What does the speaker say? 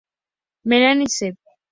Melanie C